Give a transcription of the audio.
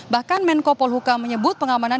bahkan menko polhuka menyebut pengamanan